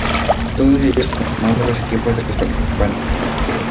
Todos ellos conformando los equipos de los participantes.